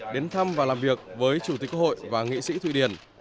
đến thăm và làm việc với chủ tịch quốc hội và nghị sĩ thụy điển